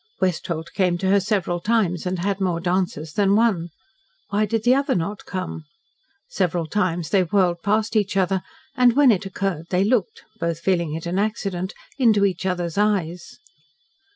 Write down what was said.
Westholt came to her several times and had more dances than one. Why did the other not come? Several times they whirled past each other, and when it occurred they looked both feeling it an accident into each other's eyes.